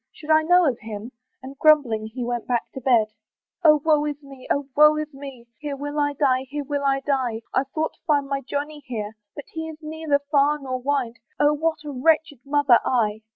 should I know of him?" And, grumbling, he went back to bed. "O woe is me! O woe is me! "Here will I die; here will I die; "I thought to find my Johnny here, "But he is neither far nor near, "Oh! what a wretched mother I!"